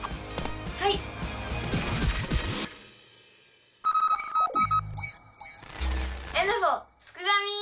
はい！えぬふぉすくがミ！